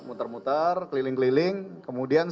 kemudian setelah kejadiannya dia menggunakan mobil ekstril